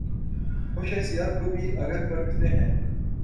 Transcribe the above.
وہ شخصیات کو بھی اگر پرکھتے ہیں۔